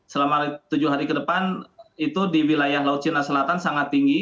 selama tujuh hari ke depan itu di wilayah laut cina selatan sangat tinggi